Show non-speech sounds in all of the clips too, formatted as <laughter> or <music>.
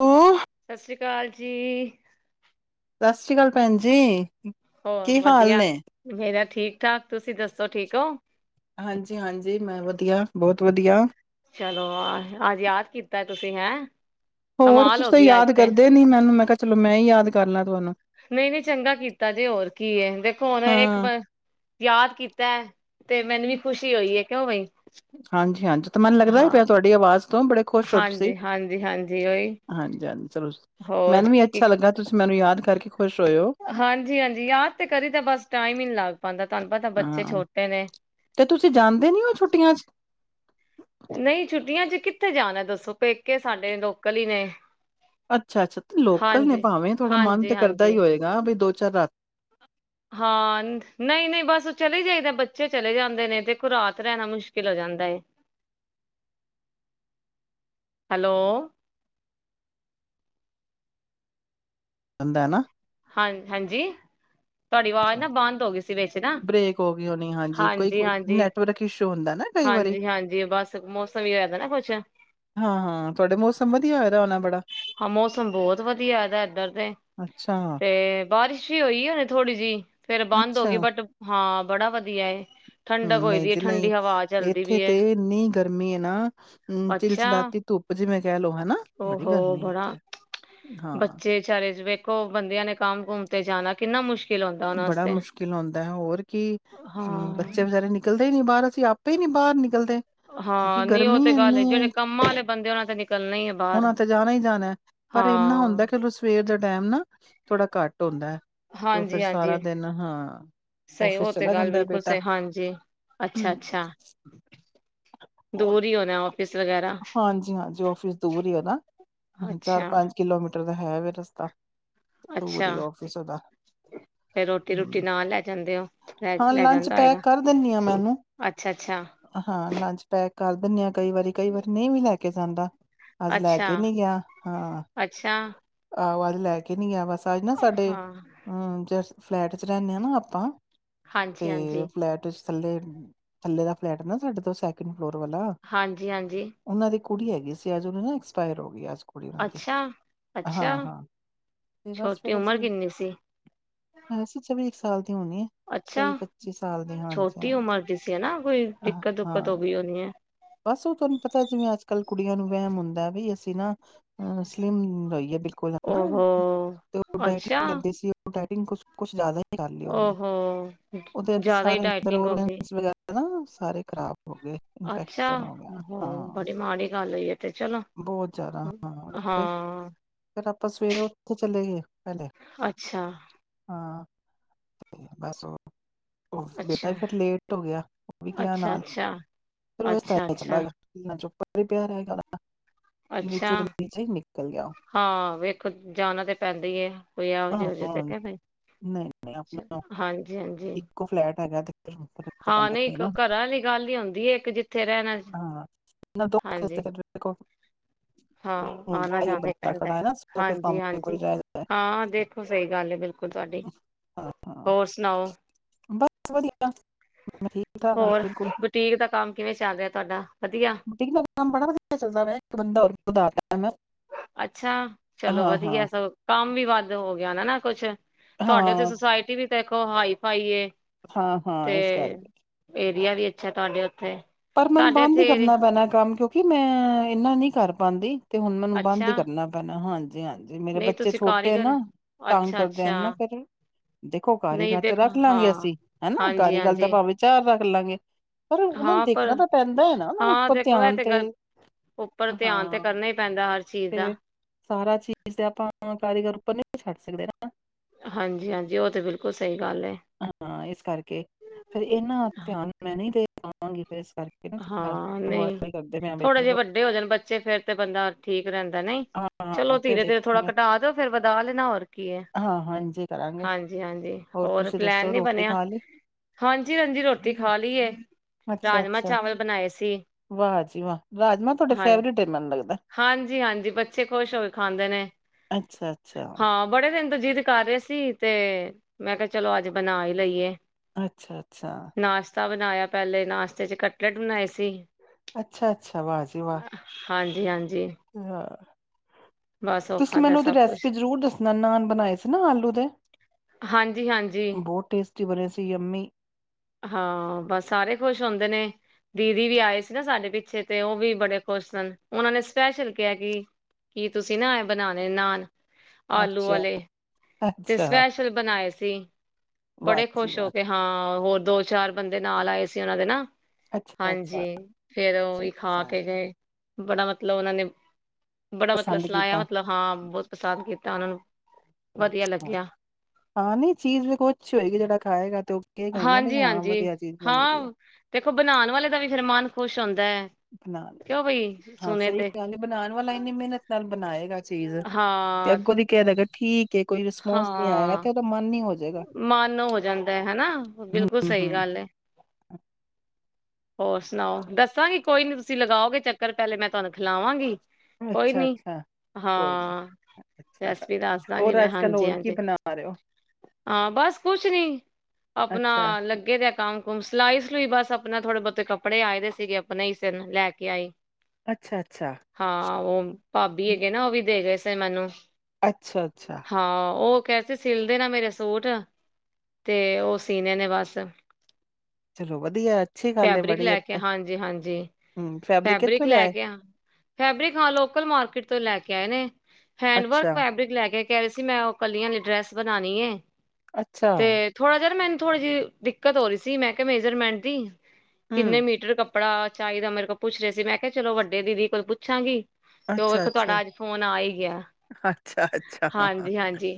ਓ ਸਤਿ ਸ਼੍ਰੀ ਅਕਾਲ ਜੀ। ਸਤਿ ਸ੍ਰੀ ਅਕਾਲ ਭੈਣ ਜੀ। ਬਹੁਤ ਕੀ ਹਾਲ ਵਧੀਆ ਨੇ ਮੇਰਾ ਠੀਕ-ਠਾਕ ਤੁਸੀਂ ਦੱਸੋ ਠੀਕ ਔ? ਕਿਓਂ? ਹਾਂਜੀ ਹਾਂਜੀ ਮੈਂ ਵਧੀਆ, ਬਹੁਤ ਵਧੀਆ। ਚਲੋ, ਆ ਅੱਜ ਯਾਦ ਕੀਤਾ ਤੁਸੀਂ! ਹੈਂ। ਹੋਰ ਕਮਾਲ ਤੁਸੀਂ ਹੋ ਤਾਂ ਗਈ ਅੱਜ ਯਾਦ ਤੇ ਕਰਦੇ ਨਹੀਂ ਮੈਨੂੰ ਮੈਂ ਕਿਹਾ ਚਲੋ ਮੈਂ ਯਾਦ ਕਰਨਾ ਨਈਂ ਨਈਂ ਚੰਗਾ ਕੀਤਾ ਜੇ ਹੋਰ ਕੀ ਐ ਦੇਖੋ ਹੁਣ ਇੱਕ ਹਾਂ ਯਾਦ ਕੀਤਾ ਤੇ ਮੈਨੂੰ ਵੀ ਖੁਸ਼ੀ ਹੋਈ ਐ, ਕਿਉਂ ਬਈ! ਹਾਂਜੀ ਹਾਂਜੀ। ਤੇ ਮੈਨੂੰ ਲੱਗਦਾ ਹਾਂ ਪਿਆ ਤੁਆਡੀ ਆਵਾਜ਼ ਤੋਂ ਬੜੇ ਖੁਸ਼ ਹੋ ਤੁਸੀਂ ਹਾਂਜੀ ਹਾਂਜੀ ਹਾਂਜੀ ਉਹੀ ਹਾਂਜੀ ਚਲੋ ਜੀ, ਹੋਰ ਮੈਨੂੰ ਵੀ ਕੀ। ਅੱਛਾ ਲੱਗਾ ਤੁਸੀਂ ਮੈਨੂੰ ਯਾਦ ਕਰਕੇ ਖੁਸ਼ ਹੋਏ ਹੋ ਹਾਂਜੀ, ਹਾਂਜੀ, ਯਾਦ ਤੇ ਕਰੀ ਦਾ ਬਸ ਟਾਈਮ ਈ ਨੀਂ ਲਗ <inaudible> ਹਾਂ ਤੇ ਤੁਸੀਂ ਜਾਂਦੇ ਨਈਓ ਛੁੱਟੀਆਂ ਚ ਨਈਂ ਛੁੱਟੀਆਂ ਚ ਕਿੱਥੇ ਜਾਣਾ ਦੱਸੋ ਪੇਕੇ ਸਾਡੇ ਲੋਕਲ ਈ ਨੇ। ਅੱਛਾ, ਅੱਛਾ ਤੇ ਲੋਕਲ ਨੇ ਹਾਂਜੀ ਭਾਵੇਂ ਤੁਹਾਡਾ ਮਨ ਹਾਂਜੀ ਤੇ ਕਰਦਾ ਹੀ ਹਾਂਜੀ ਹੋਏਗਾ ਵੀ ਤਰਾ ਹਾਂ ਨਹੀਂ ਨਹੀਂ ਬਸ ਚਲੇ ਜਾਇਦਾ ਬੱਚੇ ਚਲੇ ਜਾਂਦੇ ਨੇ ਦੇਖੋ, ਰਾਤ ਰਹਿਣਾ ਮੁਸ਼ਕਿਲ ਹੋ ਜਾਂਦਾ ਐ ਹੈਲੋ। ਜਾਂਦਾ ਹੈ ਨਾ ਹਾਂ ਹਾਂਜੀ ਤੁਹਾਡੀ ਵਾਜ ਨਾ ਬੰਦ ਹੋਗੀ ਸੀ। ਵਿੱਚ ਨਾ ਬਰੇਕ ਹੋ ਗਈ ਹੋਣੀ ਹਾਂਜੀ, ਕੋਈ-ਕੋਈ ਨੈਟਵਰਕ ਇਸ਼ੂ ਹੁੰਦੈ ਨਾ ਕਈ ਵਰੀ। ਹਾਂਜੀ ਹਾਂਜੀ ਬਸ ਮੌਸਮ ਵੀ ਹੋਇਆਦਾ ਨਾ ਕੁਛ ਹਾਂ, ਤੁਹਾਡੇ ਮੌਸਮ ਵਧੀਆ ਹੋਇਆ ਦਾ ਹੋਣਾ। ਬੜਾ, ਹਾਂ, ਮੌਸਮ ਬੋਤ ਵਧੀਆ ਹੋਇਆ ਦਾ ਏ, ਇਧਰ ਤੇ। ਅੱਛਾ, ਤੇ ਬਾਰਿਸ਼ ਈ ਹੋਈ ਏ ਹੁਣੇ ਥੋੜੀ ਜਿਹੀ। ਫਿਰ ਬੰਦ ਹੋ ਅੱਛਾ, ਗਈ ਬਟ ਹਾ <unintelligible> ੜਾ ਵ ਹੂੰ, ਨਈ ਜੀ ਨਈ। ਹਵਾ ਚੱਲਦੀ ਇੱਥੇ ਵੀ ਤੇ ਹੈ ਇੰਨੀ ਗਰਮੀ ਏ ਨਾ ਹੂੰ, ਚਿਲਚਿਲਾਤੀ ਧੁੱਪ ਜਿਵੇਂ ਕਹਿ ਲਓ, ਹੈਨਾ। ਔ ਹੋ ਬੜਾ ਹਾਂ, ਬੱਚੇ ਚਾਰੇ ਚ ਵੇਖੋ ਬੰਦਿਆਂ ਨੇ ਕੰਮ ਕੁਮ ਤੇ ਜਾਣਾ ਕਿੰਨਾ ਮੁਸ਼ ਬੜਾ ਮੁਸ਼ਕਿਲ ਆਉਂਦੈ ਹੋਰ ਕੀ, ਬੱਚੇ ਹਾਂ ਵਿਚਾਰੇ ਨਿਕਲ ਨਹੀਂ ਨਹੀਂ ਬਾਹਰ ਅਸੀਂ ਆਪੇ ਹੀ ਨਹੀਂ ਬਾਹਰ ਨਹੀਂ ਚਲਦੇ ਕਿਉਂਕਿ ਹਾਂ ਨਹੀਂ ਉਹ ਗਰਮੀ ਤੇ ਗੱਲ ਹੈ ਜਿਹੜੇ ਏਨੀ। ਕੰਮਾਂ ਵਾਲੇ ਬੰਦੇ ਉਹਨਾਂ ਤੇ ਨਿਕਲਣਾ ਹੀ ਹੈ ਬਾਹਰ ਉਹਨਾਂ ਨੂੰ ਤੇ ਜਾਣਾ ਈ ਜਾਣੈ ਪਰ ਇੰਨਾਂ ਹੁੰਦਾ ਹਾਂ ਕਿ ਲੌ ਸਵੇਰ ਦੇ ਟੈਮ ਨਾ ਥੋੜਾ ਘੱਟ <inaudible> ਜੀ ਹਾਂਜੀ। ਦਿਨ ਹਾਂ, ਸਈ ਆਫਿਸ ਔ ਤੇ ਚਲਾ ਗੱਲ ਜਾਂਦਾ ਹੈ ਬਿਲਕੁਲ ਬੇਟਾ, ਸਈ। ਹਾਂਜੀ, ਅੱਛਾ-ਅੱਛਾ। ਦੂਰ ਈ ਹੋਣੈ ਔ ਹਾਂਜੀ-ਹਾਂਜੀ ਜੀ ਆਫਿਸ ਦੂਰ ਈ ਐ ਨਾ, ਚਾਰ ਅੱਛਾ ਪੰਜ ਕਿਲੋਮੀ ਤੇ ਔਦਾ ਹੈ ਵੇ ਰਸਤਾ। ਦੂਰ ਈ ਅੱਛਾ ਆਫ਼ਿਸ ਓਦਾ, ਫੇਰ ਰੋਟੀ ਰੂਟੀ ਨਾਲ ਲੈ ਜਾਂਦੇ ਹੋ ਲੈ ਹਾ ਲੈ ਲੰਚ ਜਾਂਦਾ ਹੋਏਗਾ ਪੈਕ ਕਰ ਦੇਨੀ ਆ ਮੈਂ ਉਨੂੰ, ਅੱਛਾ ਅੱਛਾ ਹਾ ਲੰਚ ਪੈਕ ਕਰ ਦਿੰਨੀ ਆ ਕਈ ਵਾਰੀ ਕਈ ਵਾਰ ਨਈ ਵੀ ਲੈ ਕੇ ਜਾਂਦਾ। ਅੱਜ ਲੈ ਕੇ ਅੱਛਾ ਨੀ ਗਿਆ। ਹਾਂ, ਅੱਛਾ ਆਹੋ ਅੱਜ ਲੈ ਕੇ ਨੀ ਗਿਆ ਬਸ। ਅੱਜ ਨਾ ਸਾਡੇ ਹਾਂ ਹੂੰ ਜਸ ਫਲੈਟ ਚ ਰਹਿੰਨੇ ਆ ਨਾ ਆਪਾਂ। ਹਾਂਜੀ ਤੇ ਹਾਂਜੀ ਫਲੈਟ ਵਿਚ ਥਲੇ ਥੱਲੇ ਦਾ ਫਲੈਟ ਨਾ ਸਾਡੇ ਤੋ ਸੈਕੰਡ ਹੋਰ ਵਾਲਾ ਹਾਂਜੀ ਹਾਂਜੀ ਉਹਨਾਂ ਦੀ ਕੁੜੀ ਹੈਗੀ ਸੀ ਅੱਜ ਉਨੂੰ ਨਾ ਐਕਸਪਾਯਰ ਹੋ ਗਈ ਅਜ ਅੱਛਾ ਅੱਛਾ ਹਾਂ-ਹਾਂ ਤੇ ਬਸ ਛੋਟੀ ਫਿਰ ਅਸੀਂ ਉਮਰ ਕਿੰਨੀ ਸੀ ਹੈ ਸੀ। <unintelligible> ਸਾਲ ਅੱਛਾ, ਦੀ ਛੋਟੀ ਹਾਂਜੀ-ਹਾਂਜੀ, ਉਮਰ ਦੀ ਸੀ ਨਾ ਕੋਈ ਅ, ਦਿੱਕਤ- ਦੁਕਤ ਹੋ ਹਾਂ। ਗਈ ਹੋਣੀ ਐ। ਬਸ ਉਹ ਤੁਹਾਨੂੰ ਪਤਾ ਜਿਵੇਂ ਅੱਜ ਕੱਲ ਕੁੜੀਆਂ ਨੂੰ ਵਹਿਮ ਹੁੰਦਾ ਵੀ ਅਸੀਂ ਨਾ ਅ ਸਲੀਮ ਰਹੀਏ। ਓਹੋ <unintelligible> ਕਿਨ ਕੁਛ-ਕੁਛ ਜਿਆਦਾ ਹੀ ਕਰ ਲਈ ਓਹ ਉਹਨੇ। ਹੋ ਉਹਦੇ ਚ ਜਿਆਦਾ ਹੀ ਸਾਰੇ ਅੰਦਰ ਡਾਇਟਿੰਗ ਹੋ ਗਈ। ਆਰਗਨਸ <unintelligible> ਸਾਰੇ ਖਰਾਬ। <unintelligible> ਅੱਛਾ <unintelligible> ਹੋ ਹਾਂ, ਬੜੀ ਮਾੜੀ ਗੱਲ ਹੋਈ ਹੈ ਤੇ ਚਲੋ ਬਹੁਤ ਜਿਆਦਾ <unintelligible> ਹਾਂ ਫੇਰ ਆਪਾਂ ਸਵੇਰੇ ਉੱਥੇ ਚਲੇ ਗਏ ਪਹਿਲੇ, ਅੱਛਾ ਹਾਂ। ਬਸ ਉਹ। ਬੇਟਾ ਅੱਛਾ ਵੀ ਫਿਰ ਲੇਟ ਹੋ ਗਿਆ, ਉਹ ਵੀ ਗਿਆ ਅੱਛਾ ਅੱਛਾ ਨਾਲ। ਅੱਛਾ ਅੱਛਾ <unintelligible> <unintelligible> ਅੱਛਾ, ਨੀਚੇ ਦੇ ਨੀਚੇ ਹੀ ਨਿਕਲ ਗਿਆ ਉਹ। ਹਾਂ ਵੇਖੋ ਜਾਨਾ ਤੇ ਪੈਂਦਾ ਹੀ ਏ। ਹਾਂ <unintelligible> ਹਾਂ ਦੇਖਿਆ ਫੇਰ, ਨਹੀਂ ਨਹੀਂ ਆਪਣਾ ਹਾਂਜੀ-ਹਾਂਜੀ। ਇੱਕੋ ਫਲੈਟ ਹੈਗਾ ਤੇ ਫਿਰ ਫਰਕ ਤਾਂ ਹਾਂ ਪੈਂਦਾ ਨਹੀਂ ਹੀ ਹੈ ਨਾ ਘਰਾਂ ਆਲੀ ਗੱਲ ਹੀਂ ਹੁੰਦੀ ਐ ਇੱਕ ਜਿਥ ਹਾਂ <unintelligible> ਹਾਂ ਆਨਾ ਹੁੰਦਾ ਹੈ, ਜਾਨਾ ਹੀ ਬੰਦਾ ਪੈਂਦਾ ਐ, ਖੜਾ ਹੈ ਨਾ ਸੋ ਕੇ ਸਾਹਮਣੇ ਕੋਈ ਹਾਂਜੀ-ਹਾਂਜੀ ਜਾਇਦਾ ਹੈ ਹਾਂ ਦੇਖੋ ਸਹੀ ਗੱਲ ਐ ਬਿਲਕੁਲ ਤੁਹਾਡੀ, ਹਾਂ ਹਾਂ ਹੋਰ ਸੁਣਾਓ। ਬਸ ਵਧੀਆ ਮੈਂ ਠੀਕ ਠਾਕ ਹਾਂ ਹੋਰ ਬਿਲਕੁਲ ਬੁਟੀਕ ਦਾ ਕੰਮ ਕਿਵੇਂ ਚੱਲ ਰਿਹਾ? ਤੁਹਾਡਾ। ਵਧੀਆ ਬੁਟੀਕ ਦਾ ਕੰਮ ਬੜਾ ਵਧੀਆ ਚਲਦਾ ਪਿਆ ਇੱਕ ਬੰਦਾ ਹੋਰ ਵਧਾ ਤਾ। ਅੱਛਾ ਚਲੋ ਹਾਂ ਹਾਂ ਵਧੀਆ ਸਗੋ ਕੰਮ ਵੀ ਬੰਦ ਹੋ ਗਿਆ ਹੋਣਾ ਨਾ ਕੁਛ। ਤੁਹਾਡੇ ਤੇ ਹਾਂ ਸੋਸਾਇਟੀ ਵੀ ਦੇਖੋ ਹਾਈ-ਫਾਈ ਏ। ਹਾਂ-ਹਾਂ, ਇਸ ਕਰਕੇ। ਯਾਰ ਯੇ ਅੱਛਾ ਟਾਰਗੇਟ। ਪਰ ਮੈਨੂੰ ਬੰਦ ਹੀ ਕਰਨਾ ਪੈਨਾ ਐ ਕੰਮ ਕਿਉਂਕਿ ਮੈਂ ਇੰਨਾ ਨੀ ਕਰ ਪਾਂਦੀ। ਤੇ ਹੁਣ ਮੈਨੂੰ ਬੰਦ ਹੀ ਅੱਛਾ ਕਰਨਾ ਪੈਣਾ ਹਾਂਜੀ। ਧਿਆਨ ਜੀ ਮੇਰੇ ਨਹੀਂ ਬੱਚੇ ਤੁਸੀਂ ਛੋਟੇ ਆ ਕਾਰੀਗਰ ਨਾ ਤੰਗ ਅੱਛਾ ਕਰਦੇ ਅੱਛਾ ਨਾ ਫਿਰ ਦੇਖੋ ਨਹੀਂ ਕਾਰੀਗਰ ਚ ਦੇਖ ਰੱਖ ਲਾਂਗੇ ਹਾਂ ਅਸੀਂ ਹਨਾ ਹਾਂਜੀ ਕਾਰੀ ਗੱਲ ਤਾਂ ਹਾਂਜੀ ਭਾਵੇਂ ਚਾਹ ਵਾ। ਚਲਾਂਗੇ। ਪਰ ਹੁਣ ਹਾਂ ਦੇਖ। ਹਾਂ ਦੇਖੋ ਉੱਪਰ ਧਿਆਨ ਤੇ ਹਾਂ ਕਰਨਾ ਹੀ ਪੈਂਦਾ ਤੇ <unintelligible> ਸਾਰਾ ਚੀਜ਼ ਆਪਾਂ ਕਾਰੀਗਰ ਉਪਰ ਨੀ ਛੱਡ ਸਕਦੇ ਨਾ। ਹਾਂਜੀ। ਹਾਂਜੀ। ਉਹ ਤੇ ਬਿਲਕੁਲ ਸਹੀ। ਗੱਲ ਹੈ ਹਾਂ ਇਸ ਕਰਕੇ ਇਹਨਾਂ ਧਿਆਨ ਮੈਂ ਨਹੀਂ ਦੇ ਆਵਾਂਗੀ ਹਾਂ ਨਹੀਂ, ਮੈਂ ਵੀ, ਥੋੜਾ ਜਿਹਾ ਚਲੋ ਵੱਡੇ ਹੋ ਜਾਣ ਬੱਚੇ ਫਿਰ ਤੇ ਬੰਦਾ ਠੀਕ ਰਹਿੰਦਾ ਨਹੀਂ ਹਾਂ ਚਲੋ ਫਿਰ ਧੀਰੇ ਤੇ ਥੋੜਾ ਦੇਖਾਂਗੇ ਘਟਾ ਦੋ ਫਿਰ ਵਧਾ ਲੈਣਾ ਹੋਰ ਕੀ ਹ ਹਾਂ ਹਾਂਜੀ ਕਰਾਂਗੇ ਹਾਂਜੀ। ਹਾਂਜੀ। ਹੋਰ ਔਰ ਤੁਸੀਂ ਦੱਸੋ ਪਲੈਨ ਨਹੀਂ ਰੋਟੀ ਬਣਿਆ ਖਾ ਲਈ ਹਾਂਜੀ ਹਾਂਜੀ ਰੋਟੀ ਖਾ ਲਈ ਹ ਅੱਛਾ ਰਾਜਮਾ ਅੱਛਾ ਵਾਹ ਜੀ ਵਾਹ ਰਾਜਮਾ ਤੁਹਾਡੇ ਫੈਮਲੀ ਤੇ ਮੈਨੂੰ ਲੱਗਦਾ। ਤੇ ਖੁਸ਼ ਹੋਏ ਖਾਂਦੇ ਨੇ ਅੱਛਾ ਅੱਛਾ ਹਾਂ ਬੜੇ ਦਿਨ ਦਿਖਾ ਰਹੇ ਸੀ ਤੇ ਮੈਂ ਕਿਹਾ ਚਲੋ ਅੱਜ ਬਣਾ ਹੀ ਲਈਏ। ਅੱਛਾ ਅੱਛਾ ਨਾਸ਼ਤਾ ਬਣਾਇਆ ਪਹਿਲੇ ਨਾਸਤੇ ਚ <unintelligible> ਬਰੈਡ ਬਣਾਏ ਸੀ। ਅੱਛਾ-ਅੱਛਾ, ਵਾਹ ਜੀ ਵਾਹ। ਹਾਂਜੀ। ਹਾਂਜੀ। <unintelligible> ਬਸ ਉਹ ਤੁਸੀਂ ਖਾਧਾ ਮੈਨੂੰ ਉਹਦੀ ਸਭ ਰੈਸਪੀ ਕੁਛ ਜਰੂਰ ਦੱਸਣਾ ਨਾ ਬਣਾਏ ਸੀ ਨਾ ਆਲੂ ਦੇ ਹਾਂਜੀ ਹਾਂਜੀ ਬਹੁਤ ਟੇਸਟੀ ਤੁਸੀ ਬੋਲਿਆ ਸੀ ਯੂਮਮੀ। ਹਾਂ ਬਸ ਸਾਰੇ ਖੁਸ਼ ਹੁੰਦੇ ਨੇ ਦੀਦੀ ਵੀ ਆਏ ਸੀ ਨਾ ਸਾਡੇ ਪਿੱਛੇ ਤੇ ਉਹ ਵੀ ਬੜੇ ਖੁਸ਼ ਸਨ ਉਹਨਾਂ ਨੇ ਸਪੈਸ਼ਲ ਕਿਹਾ ਕਿ ਕੀ ਤੁਸੀਂ ਨਾ ਬਣਾ ਦੇ ਨਾਨ। ਆਲੂ ਅੱਛਾ ਵਾਲੇ ਤੇ ਅੱਛਾ ਸਪੈਸ਼ਲ ਬਣਾਏ ਸੀ। <unintelligible> ਵਾਹ ਬੜੇ ਜੀ ਖੁਸ਼ ਹੋ ਵਾਹ ਕੇ ਹਾਂ <unintelligible> ਦੋ, ਚਾਰ ਬੰਦੇ ਨਾਲ ਆਏ ਸੀ ਉਹਨਾਂ ਦੇ ਨਾ ਅੱਛਾ ਅੱਛਾ ਹਾਂਜੀ ਫਿਰ ਉਹ ਅੱਛਾ ਵੀ ਖਾ ਅੱਛਾ ਕੇ ਗਏ। ਬੜਾ ਮਤਲਬ ਉਹਨਾਂ ਨੇ। ਬੜਾ ਮਤਲਬ ਪਸੰਦ ਸੁਣਾਇਆ ਕੀਤਾ ਮਤਲਬ ਹਾਂ। <unintelligible> <inaudible> ਵਧੀਆ ਲੱਗਿਆ ਆ ਨਹੀਂ ਚੀਜ਼ ਵੇਖੋ ਜਿਹੜਾ ਖਾਏਗਾ ਤੇ <inaudible> ਜੀ, ਹਾਂਜੀ, ਵਧੀਆ ਚੀਜ਼ ਬਣੀ ਦੀ ਹੈ ਹਾਂ ਦੇਖੋ ਬਣਾਉਣ ਵਾਲੇ ਦਾ ਵੀ ਫੇਰ ਮਨ ਖੁਸ਼ ਹੋਨ <unintelligible> ਹਾਂ, ਸੁਣੇ ਸਹੀ ਤੇ ਗੱਲ ਐ। ਬਨਾਨ ਵਾਲਾ ਇਨੀ ਮਿਹਨਤ ਨਾਲ ਬਨਾਏਗਾ। <inaudible> ਹਾਂ ਕੋਈ ਰਿਸਪੋਂਸ ਨਹੀਂ ਆਏਗਾ ਹਾਂ ਕਿ ਉਹਦਾ ਮਨ ਨਹੀਂ ਜਾਏਗਾ ਮਨ ਹੋ ਜਾਂਦੈ ਹੈਨਾ। ਬਿਲਕੁਲ ਹਮ ਸਈ ਹਮ ਗੱਲ ਏ। ਹੋਰ ਸੁਣਾਓ ਦਸਾਂਗੀ ਕੋਈ ਨਈ। ਤੁਸੀਂ ਲਗਾਓਗੇ ਚੱਕਰ, ਪਹਿਲੇ ਮੈਂ ਤੁਹਾਨੂੰ ਖਿਲਾਵਾਂਗੀ ਕੋਈ ਅੱਛਾ ਨੀ ਅੱਛਾ ਕੋਈ ਨੀ ਹਾਂ ਅੱਛਾ ਰੈਸਪੀ ਦੱਸ ਦਾਂਗੀ ਹੋਰ ਅੱਜਕੱਲ ਹੋਰ ਕੀ ਬਣਾ ਰਹੇ ਹੋ। ਆ ਬਸ ਕੁਝ ਨਹੀਂ ਆਪਣਾ ਅੱਛਾ ਲੱਗੇ ਦੇ ਆ ਕੰਮ। <inaudible> ਲਈ ਬਸ ਆਪਣਾ ਥੋੜਾ ਬਹੁਤੇ ਕੱਪੜੇ ਆਏ ਦੇ ਸੀਗੇ ਆਪਣੇ ਫੇਰ ਲੈ ਕੇ ਆਈ। ਅੱਛਾ ਅੱਛਾ, ਹਾਂ ਉਹ ਭਾਬੀ ਹੈਗੇ ਨਾ ਉਹ ਵੀ ਦੇ ਗਏ ਸ ਤੇ ਮੈਨੂੰ ਅੱਛਾ ਅੱਛਾ ਹਾਂ ਉਹ ਕਹਿਤੇ ਸਿਲ ਦੇ ਨਾ ਮੇਰੇ ਸੂਟ ਤੇ ਉਹ ਸੀਨੇ ਨੇ ਬਸ। ਚਲੋ ਵਧੀਆ ਹੈ, ਅੱਛੀ ਗੱਲ ਹੈ ਫੈਬਰਿਕ ਬੜੀ ਲੈ ਕੇ ਅੱਛਾ ਹਾਂਜੀ ਹਾਂਜੀ ਹਮ ਫੈਬਰਿਕ ਕਿੱਥੋਂ ਲੈ ਲਿਆਏ ਕੇ ਆ ਫੈਬਰਿਕ ਆ ਲੋਕਲ ਮਾਰਕੀਟ ਤੋਂ ਲੈ ਕੇ। <inaudible> ਹੈਂਡ ਵਰਕ ਅੱਛਾ ਫੈਬਰਿਕ ਲੈ ਗੇ ਕਹਿ ਰਹੇ ਸੀ ਮੈਂ ਉਹ ਕਲੀਆਂ ਆਲੀ ਡਰੈਸ ਬਣਾਣੀ ਏ। ਅੱਛਾ ਤੇ ਥੋੜਾ ਜੇਹਾ ਮੈਨੂੰ ਥੋੜੀ ਜਿਹੀ ਦਿੱਕਤ ਹੋ ਰਹੀ ਸੀ ਮੈਂ ਕਿਹਾ ਮੇਜਰਮੈਂਟ ਦੀ। ਕਿੰਨੇ ਹਮ ਮੀਟਰ ਕਪੜਾ ਪੜਾ ਚਾਹੀਦਾ ਮੇਰੇ ਕੋਲ ਪੁੱਛ ਰਹੇ ਸੀ ਮੈਂ ਕਿਹਾ ਚਲੋ ਵੱਡੇ ਦੀਦੀ ਕੋਲ ਪੁੱਛਾਂਗੀ। ਤੇ ਉਹ ਅੱਛਾ ਅੱਛਾ ਤੁਹਾਡਾ ਅੱਜ ਫੋਨ ਆ ਹੀ ਗਿਆ ਅੱਛਾ ਅੱਛਾ ਹਾਂਜੀ ਹਾਂਜੀ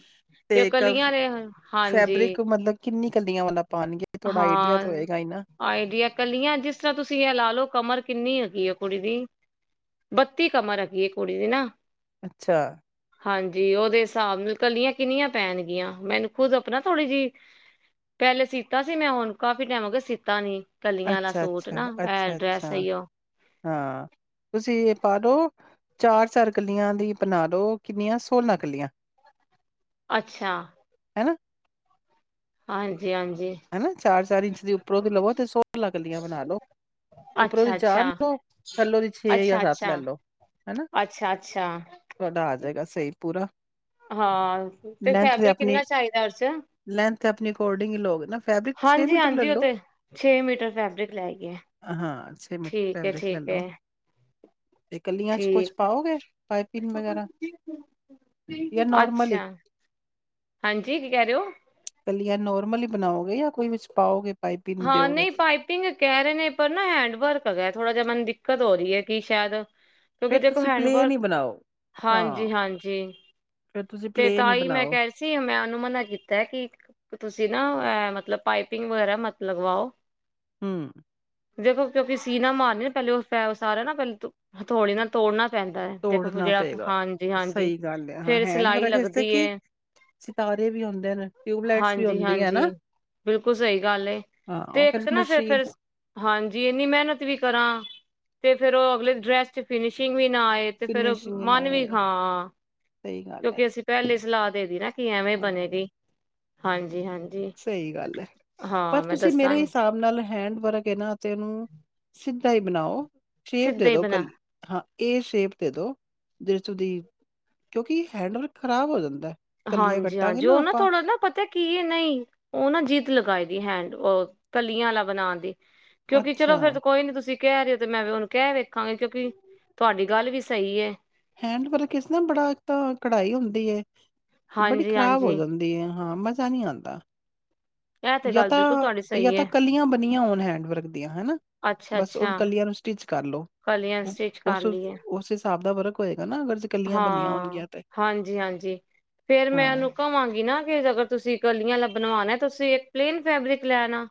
ਤੇ ਉਹ ਕਲੀਆਂ ਦੇ ਹਾਂਜੀ ਫੈਬਰਿਕ ਮਤਲਬ ਕਿੰਨੀ ਕਲੀਆਂ ਵਾਲਾ ਪਾਨਾ। ਹਾਂ ਆਈਡੀਆ ਕਲੀਆਂ ਜਿਸ ਤਰ੍ਹਾਂ ਤੁਸੀਂ ਇਹ ਲਾ ਲਓ ਕਮਰ ਕਿੰਨੀ ਹੈਗੀ ਹ ਕੁੜੀ ਦੀ ਬੱਤੀ ਕਮਰ ਦੀ ਕੁੜੀ ਦੀ ਨਾ। ਅੱਛਾ। ਹਾਂਜੀ ਉਹਦੇ ਹਿਸਾਬ ਨਾਲ ਕਲੀਆਂ ਕਿੰਨੀਆਂ ਪੈਣਗੀਆਂ <inaudible> ਥੋੜੀ ਜਿਹੀ ਪਹਿਲੇ ਸੀ। ਤਾਂ ਸੀ ਮੈਂ ਹੁਣ ਕਾਫੀ ਟਾਈਮ ਹੋ ਗਿਆ ਸੀਤਾ ਨਹੀਂ। ਅੱਛਾ ਅੱਛਾ ਅੱਛਾ ਅੱਛਾ ਆਈ ਉਹ ਹਾਂ ਤੁਸੀਂ ਇਹ ਪਾ ਦੋ। ਚਾਰ-ਚਾਰ ਕਲੀਆਂ ਦੀ ਬਣਾ ਦੋ ਕਿੰਨੀਆਂ ਸੋਹਲਾ ਕਲੀਆਂ। ਅੱਛਾ ਹੈਨਾ। ਹਾਂਜੀ ਹਾਂਜੀ ਹੇਨਾ, ਚਾਰ-ਚਾਰ ਇੰਚ ਦੀ ਉੱਪਰੋਂ ਤੇ ਲਵੋ ਤੇ ਸੋਲ੍ਹਾ ਕੱਲੀਆਂ ਬਣਾ ਲਓ ਉੱਪਰੋਂ ਦੀ ਅੱਛਾ-ਅੱਛਾ, ਲਓ ਥੱਲੋਂ ਦੀ ਜਾਂ ਅੱਛਾ-ਅੱਛਾ, ਲੈ ਲਓ। ਹੈਨਾ ਅੱਛਾ-ਅੱਛਾ ਤੁਹਾਡਾ ਆ ਜਾਏਗਾ ਸਹੀ ਪੂਰਾ ਹਾਂ ਤੇ ਫੈਬਰਿਕ ਕਿੰਨਾ ਚਾਹੀਦਾ ਉਹਦੇ ਚ ਉਹ ਤੇ ਆਪਣੇ ਅਕੋਰਡਿੰਗ ਹੀ ਲੋਗੇ ਨਾ। ਫੈਬਰਿਕ ਮੀਟਰ ਲੈ ਹਾਂਜੀ-ਹਾਂਜੀ, ਓ ਲਓ। ਤੇ ਛੇ ਮੀਟਰ ਫੈਬਰਿਕ ਲੈ ਗਿਆ। ਹਾਂ ਮੀਟਰ ਠੀਕ ਫੈਬਰਿਕ ਲੈ ਹੈ-ਠੀਕ ਹੈ ਲਓ ਤੇ ਕਲੀਆਂ 'ਚ ਕੁਛ ਠੀਕ, ਪਾਓਗੇ ਪਾਈਪਿੰਨ ਵਗੈਰਾ ਜਾਂ ਨੋਰਮਲ ਹੀ ਅੱਛਾ ਹਾਂਜੀ ਕੀ ਕਹਿ ਰਹੇ ਹੋ ਕਲੀਆਂ ਨੋਰਮਲ ਹੀ ਬਣਾਓਗੇ ਜਾਂ ਵਿਚ ਕੁਝ ਪਾਓਗੇ ਪਾਈਪਿੰਨ ਹਾਂ, ਦਿਓਗੇ? ਨਹੀਂ ਪਾਈਪਿੰਗ ਕਹਿ ਰਹੇ ਨੇ ਪਰ ਨਾ ਹੈਂਡ ਵਰਕ ਹੈ ਗਾ ਥੋੜਾ ਜਿਹਾ <unintelligible> ਦਿੱਕਤ ਹੋ ਰਹੀ ਹੈ ਕਿ ਸੇਹਦ ਕਿਉਂਕਿ ਫੇਰ ਜੇ ਕੋਈ ਤੁਸੀਂ ਪਲੇਨ ਹੈਲਪ ਹੀ ਬਣਾਓ। ਹਾਂ, ਹਾਂਜੀ ਹਾਂਜੀ ਫੇਰ ਤੁਸੀਂ ਤੇ ਪਲੇਨ ਤਾਂ ਹੀ ਮੈਂ ਬਣਾਓ, ਕਿਹਾ ਸੀ ਆ ਮੈਂ ਉਹਨੂੰ ਮਨਾ ਕੀਤਾ ਕਿ ਤੁਸੀਂ ਨਾ ਏ ਮਤਲਬ ਪਾਈਪਿੰਗ ਵਗੈਰਾ ਮਤ ਲਗਵਾਓ। ਹੁ। ਜੇ ਤੁਸੀਂ ਓਦੀ ਸੀਨਾ ਮਾਰਨੀ ਪਹਿਲੇ ਓ ਪੈਰ ਸਾਰੇ ਨਾ ਪਹ ਹਥੋੜੀ ਨਾਲ ਤੋੜਨਾ ਪੈਂਦਾ ਦੇਖੋ ਤੋੜਨਾ ਜਿਹੜਾ ਪਏਗਾ। ਹਾਂਜੀ ਜੀ ਹਾਂਜੀ ਸਹੀ ਗੱਲ ਹੈ, ਹਾਂ ਫਿਰ ਹੈਂਡ ਸਿਲਾਈ ਵਰਕ ਇਸਤੇ ਲੱਗਦੀ ਕਿ ਹ ਸਿਤਾਰੇ ਵੀ ਹੁੰਦੇ ਨੇ, ਟਿਊਬਲਾਈਟਸ ਵੀ ਹੁੰਦੀ ਹੈ ਹਾਂਜੀ-ਹਾਂਜੀ ਨਾ। ਬਿਲਕੁਲ ਸਹੀ ਗੱਲ ਹੈ ਹਾਂ, ਤੇ ਉਹ ਇੱਕ ਤੇ ਨਾ ਫਿਰ, ਮਸ਼ੀਨ ਫਿਰ ਹਾਂਜੀ ਇਨੀ ਮਿਹਨਤ ਵੀ ਕਰਾਂ। ਤੇ ਫਿਰ ਉਹ ਅਗਲੇ ਡਰੈੱਸ ਚ ਫਿਨਿਸ਼ਿੰਗ ਵੀ ਨੀ- ਨਾ ਏ ਤੇ ਫਿਰ ਫਿਨਿਸ਼ਿੰਗ ਨਾ ਮਨ ਵੀ ਆਏ, ਹਾਂ ਸਹੀ ਗੱਲ ਹੈ, ਕਿਉਂਕਿ ਅਸੀਂ ਪਹਿਲੇ ਸਲਾ। <unintelligible> ਕੀ ਐਵੇਂ ਹਾਂ। ਬਣੇਗੀ ਹਾਂਜ ਹਾਂਜੀ ਹਾਂ ਮੈਂ ਤੇ ਮੇਰੇ ਦੱਸਾਂਗੀ ਹਿਸਾਬ ਨਾਲ ਹੈਂਡ ਵਰਕ ਹ ਨਾ ਤੇ ਇਹਨੂੰ ਸਿੱਧਾ ਹੀ ਬਣਾਓ ਸ਼ੇਪ ਸਿੱਧਾ ਦੇ ਹੀ ਦੋ ਬਣਾ ਕੱਲੀ ਹ ਇਹ ਸੇ਼ਪ ਦੇ ਦੋ ਜੇ ਤੁਸੀਂ ਕਿਉਂਕਿ ਹੈਂਡ ਵਰਕ ਖਰਾਬ ਹੋ ਜਾਂਦਾ ਕਲੀਆਂ ਹਾਂਜੀ ਹਾਂ ਕੱਟਾਂਗੇ ਜੋ ਨਾ ਆਪਾਂ, ਥੋੜਾ ਨਾ ਪਤਾ ਕੀ ਨਹੀਂ ਉ ਨਾਂ ਜ਼ਿਦ ਲਗਾ ਦੀ ਹੈਂਡ ਉਹ ਕਲੀਆਂ ਵਾਲਾ ਬਣ ਦੇ ਕਿਉਂਕਿ ਚਲੋ ਅੱਛਾ। ਫਿਰ ਕੋਈ ਨਹੀਂ ਤੁਸੀਂ ਕਹਿ ਰਹੇ ਤੇ ਮੈਂ ਵੀ ਉਹਨੂੰ ਕਹਿ ਵੇਖਾਗੇ ਕਿਉਂਕਿ ਤੁਹਾਡੀ ਗੱਲ ਵੀ ਸਹੀ ਏ। ਹੈਂਡ ਵਰਕ ਇਸ ਨਾ ਬੜਾ ਏਕ ਤਾਂ ਕੜਾਈ ਹੁੰਦੀ ਹੈ ਬੜੀ ਹਾਂਜੀ ਖ਼ਰਾਬ ਹੋ ਹਾਂਜੀ ਜਾਂਦੀ ਐ ਹਾਂ ਮਜ਼ਾ ਨੀ ਆਂਦਾ ਇਹ ਤੇ ਯਾ ਗੱਲ ਬਿਲਕੁਲ ਤਾਂ, ਤੁਹਾਡੀ ਯਾ ਸਹੀ ਤਾਂ ਹੈ ਕਲੀਆਂ ਬਣੀਆਂ ਹੋਣ ਹੈਂਡ ਵਰਕ ਦੀਆਂ ਹਨਾ, ਅੱਛਾ ਬੱਸ ਓ ਅੱਛਾ ਕਲੀਆਂ ਨੂੰ ਸਟਿੱਚ ਕਰਲੋ ਕਲੀਆਂ ਓ ਸਟਿਚ ਕਰ ਓਸ ਲਈਏ ਓਸ ਹਿਸਾਬ ਦਾ ਵਰਕ ਹੋਏਗਾ ਨਾ ਅਗਰ ਜੇ ਕਲੀਆਂ ਬਣੀਆਂ ਹਾਂ, ਹੋਣਗੀਆਂ ਤੇ। ਹਾਂਜੀ ਹਾਂਜੀ, ਫੇਰ ਮੈਂ ਹਾਂ, ਓਹਨੂੰ ਕਵਾਂਗੀ ਨਾ ਫੇਰ ਅਗਰ ਤੁਸੀਂ ਕਲੀਆਂ ਆਲਾ ਬਣਵਾਣਾ ਤੁਸੀਂ ਪਲੇਨ ਫੈਬਰਿਕ ਲੈਨਾ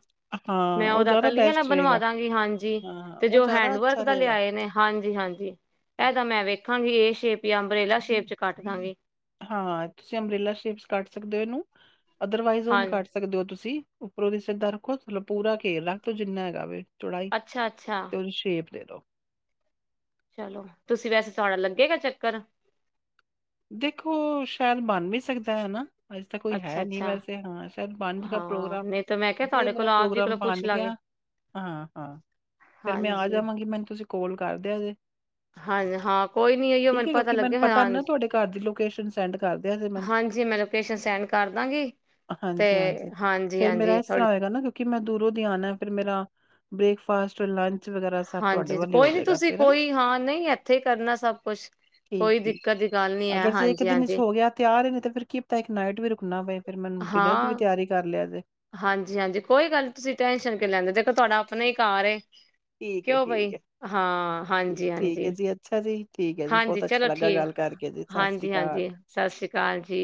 ਹਾਂ ਮੈਂ ਉਹ ਉਹਦੇ ਜ਼ਿਆਦਾ ਕਲੀਆਂ ਆਲਾ ਬੈਸਟ ਬਣਵਾ ਰਹੇਗਾ। ਦੇਆਗੀ ਹਾਂਜੀ, ਹਾਂ, ਤੇ ਜੇ ਉਹ ਓ ਜ਼ਿਆਦਾ ਹੈਂਡਵਰਕ ਅੱਛਾ ਦਾ ਰਹੇਗਾ। ਲਿਆਏ ਨੇ ਹਾਂਜੀ ਹਾਂਜੀ, ਇਹਦਾ ਮੈਂ ਵੇ ਹਾਂਜੀ ਏ ਸ਼ੇਪ ਜਾਂ ਅੰਬਰੇਲਾ ਸ਼ੇਪ ਚ ਕੱਟ ਦਾਂਗੀ ਹਾਂ, ਤੁਸੀਂ ਅੰਬਰੇਲਾ ਸ਼ੇਪ ਚ ਕੱਟ ਸਕਦੇ ਓ ਇਹਨੂੰ ਅਧਰਵਾਈਸ ਉਂਜ ਹਾਂ ਕੱਟ ਸਕਦੇ ਓ ਤੁਸੀਂ ਉਪਰੋ ਦੀ ਸਿੱਧਾ ਰੱਖੋ ਥੱਲੋ ਪੂਰਾ ਘੇਰ ਰੱਖਦੋ ਜਿੰਨਾ ਹੈਗਾ ਵੇ ਚੌੜਾਈ, ਅੱਛਾ-ਅੱਛਾ। ਤੇ ਉਹਦੀ ਸ਼ੇਪ ਦੇਦੋ ਚੱਲੋ, ਤੁਸੀਂ ਵੈਸੇ ਤੁਹਾਡਾ ਲੱਗੇਗਾ ਚੱਕਰ ਦੇਖੋ, ਸ਼ਾਇਦ ਬਣ ਵੀ ਸਕਦਾ ਐ ਨਾ ਅਜੇ ਤਾਂ ਕੋਈ ਹੈ ਨੀ ਅੱਛਾ-ਅੱਛਾ। ਵੈਸੇ ਹਾਂ ਸ਼ਾਇਦ ਪੰਜ ਦਾ ਹਾਂ ਪ੍ਰੋਗਰਾਮ, ਨਹੀਂ ਤਾਂ ਮੈਂ ਕਿਹਾ ਜੇ ਤੁਹਾਡੇ ਮੇਰਾ ਕੋਲੋਂ ਆਪ ਜੀ ਪ੍ਰੋਗਰਾਮ ਕੋਲੋਂ ਬਣ ਪੁੱਛ ਗਿਆ, ਲਾਂਗੇ ਹਾਂ ਹਾਂ, ਫੇਰ ਮੈਂ ਆਜਾਵਾਂਗੀ ਮੈਨੂੰ ਤੁਸੀਂ ਕੌਲ ਕਰ ਦਿਆ ਜੇ ਹਨ ਹਾਂ ਕੋਈ ਨੀ ਏਹੀਓ ਠੀਕ ਮੈਨੂੰ ਹੈ ਪਤਾ ਕਿਉਂਕਿ ਲਗਾ ਪਤਾ ਹਾਂ ਨਹੀਂ ਨਾ ਤੁਹਾਡੇ ਘਰ ਲੋਕੇਸ਼ਨ ਸੈਂਡ ਕਰ ਦਿਆ ਜੇ ਮੈਨੂੰ, ਲੋਕੇਸ਼ਨ ਸੈਂਡ ਕਰ ਦਾਂਗੀ। ਤੇ ਹਾਂਜੀ ਹਾਂਜੀ, ਫੇਰ ਮੇਰਾ ਹਾਂਜੀ-ਹਾਂਜੀ ਇਸ ਥੋੜੀ ਤ੍ਰਾਂਹ ਹੋਏਗਾ ਨਾ ਕਿਉਂਕਿ ਮੈਂ ਦੂਰੋ ਦੀ ਆਨੇ ਫੇਰ ਮੇਰਾ ਬ੍ਰੇਕਫਾਸਟ, ਲੰ ਹਾਂਜੀ ਜੀ ਕੋਈ ਨੀ ਤੁਸੀਂ ਕੋਈ ਹਾਂ ਨਹੀਂ ਏਥੇ ਕਰਨਾ ਸਭ ਕੁਝ, ਠੀਕ ਕੋਈ ਠੀਕ ਦਿੱਕਤ ਦੀ ਗੱਲ ਨੀ ਐ ਅਗਰ ਦੇ ਇਕ ਦਿਨ ਵਿੱਚੋ ਹਾਂਜੀ-ਹਾਂਜੀ ਹੋ ਗਿਆ ਤਿਆਰ ਨਹੀਂ ਤਾਂ ਫੇਰ ਕੀ ਪਤਾ ਇਕ ਨਾਈਟ ਵੀ ਰੁਕਣਾ ਪਏ ਫੇਰ ਮੈਨੂੰ ਡਿਨਰ ਦੀ ਵੀ ਤਿਆਰੀ ਕਰ ਲਿਆ ਜੇ ਹਾਂਜੀ ਹਾਂਜੀ ਕੋਈ ਗੱਲ ਨੀ ਤੁਸੀਂ ਟੈਨਸ਼ਨ ਕਿਉਂ ਲੈਂਦੇ ਓ ਦੇਖੋ ਤੁਹਾਡਾ ਆਪਣਾ ਹੀ ਘਰ ਏ ਠੀਕ ਹੈ ਕਿਓ ਬਈ, ਠੀਕ ਹੈ ਹਾਂ, ਹਾਂਜੀ ਠੀਕ ਹੈ ਹਾਂਜੀ ਜੀ, ਅੱਛਾ ਜੀ, ਠੀਕ ਹੈ ਜੀ, ਹਾਂਜੀ ਬਹੁਤ ਅੱਛਾ ਚਲੋ ਲੱਗਾ ਠੀਕ, ਗੱਲ ਕਰਕੇ ਜੀ, ਸਤਿ ਸ੍ਰੀ ਹਾਂਜੀ ਅਕਾਲ। ਹਾਂਜੀ ਸਤਿ ਸ੍ਰੀ ਅਕਾਲ ਜੀ